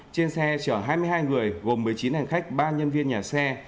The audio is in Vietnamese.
trên xe chở hai mươi hai người gồm một mươi chín hành khách ba nhân viên nhà xe